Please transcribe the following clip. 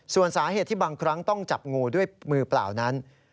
ส่วนสาเหตุที่บางครั้งต้องจับงูด้วยมือเปล่านั้น